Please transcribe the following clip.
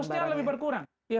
harusnya lebih berkurang